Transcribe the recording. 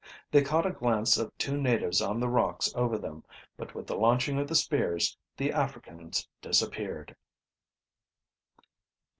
They caught a glance of two natives on the rocks over them, but with the launching of the spears the Africans disappeared.